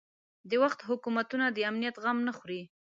د وخت حکومتونه د امنیت غم نه خوري.